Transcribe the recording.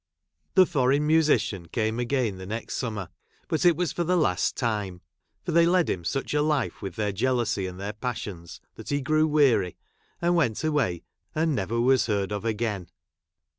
The foreign I I musician came again the next summer, but it jj was for the last time ; for they led him such 'I .a life with their jealousy and their passions, j! that he grew weary, and went away, and I never was heard of again.